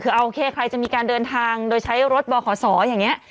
คือโอเคใครจะมีการเดินทางโดยใช้รถบขศอย่างนี้